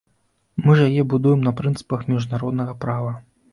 Мы ж яе будуем на прынцыпах міжнароднага права.